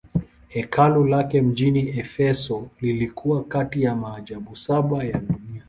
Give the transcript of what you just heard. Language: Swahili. Hekalu lake mjini Efeso lilikuwa kati ya maajabu saba ya dunia.